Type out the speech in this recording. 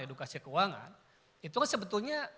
edukasi keuangan itu kan sebetulnya